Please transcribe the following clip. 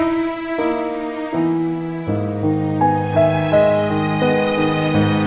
mau akan mahkaman keluarga